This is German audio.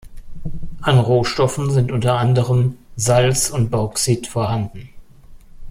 An Rohstoffen sind unter anderem Salz und Bauxit vorhanden.